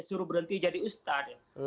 suruh berhenti jadi ustadz